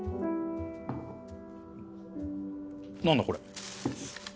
何だこれ。